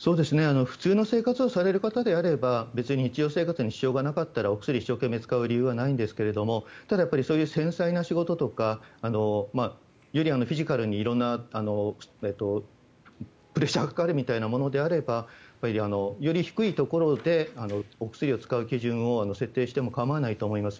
普通の生活をされる方であれば別に日常生活に支障がなかったらお薬を一生懸命使う必要はないんですがただ、繊細な仕事とかフィジカルに色んなプレッシャーがかかるみたいなことであればより低いところでお薬を使う基準を設定しても構わないと思います。